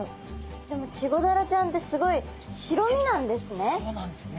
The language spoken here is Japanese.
でもチゴダラちゃんってすごいそうなんですね。